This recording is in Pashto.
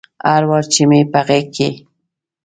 هر وار چې مې په غیږ کې